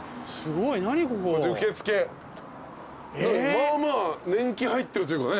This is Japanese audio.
まあまあ年季入ってるというかね。